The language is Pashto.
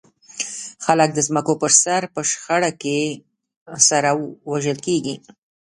خلک د ځمکو پر سر په شخړه کې سره وژل کېږي.